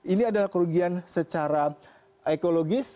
ini adalah kerugian secara ekologis